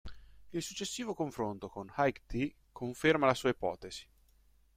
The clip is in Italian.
Il successivo confronto con High T conferma la sua ipotesi.